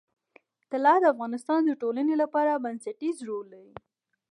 طلا د افغانستان د ټولنې لپاره بنسټيز رول لري.